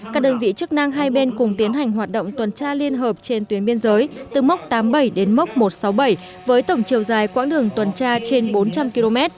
các đơn vị chức năng hai bên cùng tiến hành hoạt động tuần tra liên hợp trên tuyến biên giới từ mốc tám mươi bảy đến mốc một trăm sáu mươi bảy với tổng chiều dài quãng đường tuần tra trên bốn trăm linh km